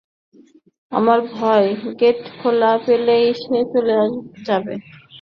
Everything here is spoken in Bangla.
আমার ভয়, গেট খোলা পেলেই সে চলে যাবে।